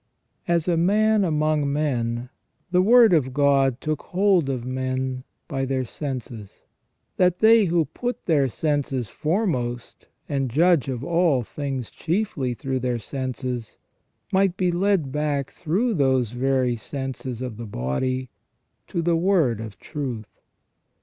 As a man among men, the Word of God took hold of men by their senses, that they who put their senses foremost, and judge of all things chiefly through their senses, might be led back through those very senses of the body to the word of truth.